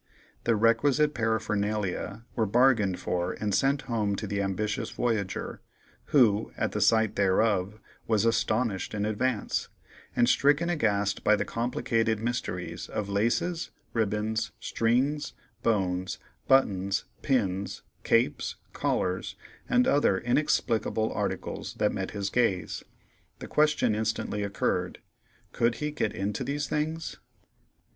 The requisite paraphernalia were bargained for and sent home to the ambitious voyager, who, at the sight thereof, was "astonished" in advance, and stricken aghast by the complicated mysteries of laces, ribbons, strings, bones, buttons, pins, capes, collars, and other inexplicable articles that met his gaze. The question instantly occurred, "Could he get into these things?"